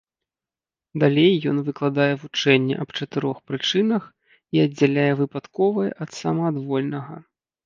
Далей ён выкладае вучэнне аб чатырох прычынах і аддзяляе выпадковае ад самаадвольнага.